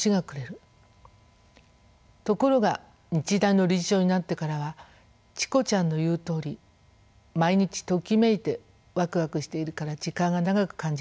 ところが日大の理事長になってからはチコちゃんの言うとおり毎日ときめいてわくわくしているから時間が長く感じられます。